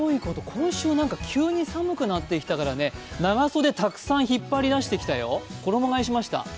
今週、急に寒くなったからね長袖たくさん引っ張り出してきたよ、衣がえしました。